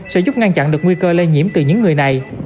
sẽ giúp ngăn chặn được nguy cơ lây nhiễm từ những người này